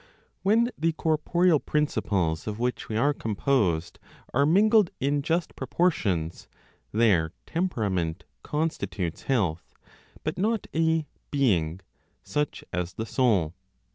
When the corporeal principles of which we are composed are mingled in just proportions, their temperament constitutes health (but not a "being," such as the soul).